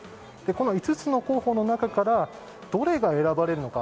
５つの候補の中からどれが選ばれるのか